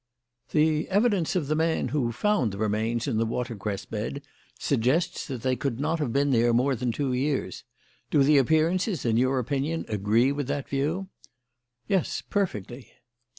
"The evidence of the man who found the remains in the watercress bed suggests that they could not have been there more than two years. Do the appearances, in your opinion, agree with that view?" "Yes; perfectly."